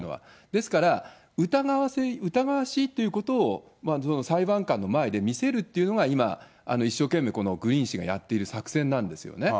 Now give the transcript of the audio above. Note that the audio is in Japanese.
ですから、疑わしいっていうことを裁判官の前で見せるっていうのが今、一生懸命このグリーン氏がやっている作戦なんですよね。